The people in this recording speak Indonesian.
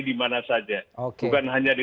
dimana saja bukan hanya di